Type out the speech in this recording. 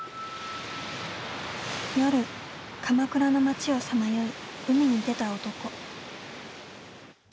夜、鎌倉の街をさまよい海に出た男。